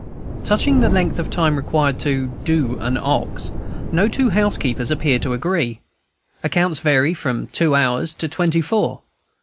Touching the length of time required to "do" an ox, no two housekeepers appear to agree. Accounts vary from two hours to twenty four.